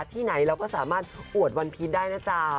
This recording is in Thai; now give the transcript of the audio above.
ที่ไหนเราก็สามารถอวดวันพีชได้นะจ๊ะ